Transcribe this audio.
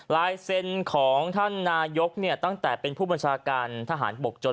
ลายเซ็นต์ของท่านนายกเนี่ยตั้งแต่เป็นผู้บัญชาการทหารบกจน